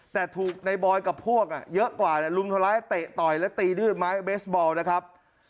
แต่ถูกในบอยกับพวกเยอะกว่ารุมทำร้ายเตะต่อยและตีด้วยไม้เบสบอลนะครับ